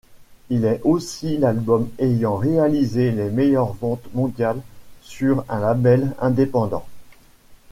Il est aussi l'album ayant réalisé les meilleures ventes mondiales sur un label indépendant.